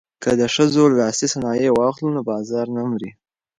که د ښځو لاسي صنایع واخلو نو بازار نه مري.